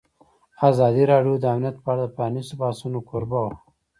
ازادي راډیو د امنیت په اړه د پرانیستو بحثونو کوربه وه.